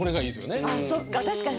そっか